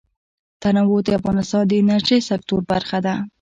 تنوع د افغانستان د انرژۍ سکتور برخه ده.